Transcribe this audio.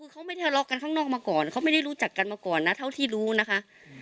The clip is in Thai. คือเขาไม่ทะเลาะกันข้างนอกมาก่อนเขาไม่ได้รู้จักกันมาก่อนนะเท่าที่รู้นะคะ